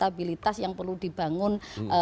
dan akuntabilitas yang perlu dibangun